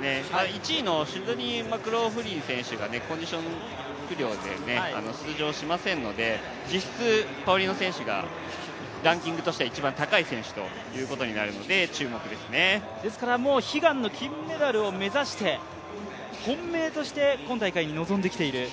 １位のシドニー・マクローフリン選手がコンディション不良で出場しませんので実質、パウリノ選手がランキングとしては一番高い選手となるので、注目ですですから悲願の金メダルを目指して本命として今大会に臨んできている。